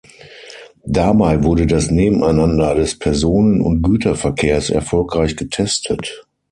Dabei wurde das Nebeneinander des Personen- und Güterverkehrs erfolgreich getestet.